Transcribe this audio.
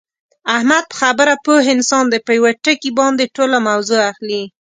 احمد په خبره پوه انسان دی، په یوه ټکي باندې ټوله موضع اخلي.